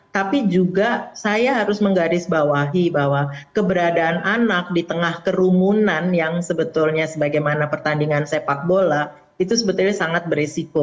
tapi juga saya harus menggarisbawahi bahwa keberadaan anak di tengah kerumunan yang sebetulnya sebagaimana pertandingan sepak bola itu sebetulnya sangat berisiko